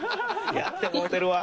やってもうてるわ。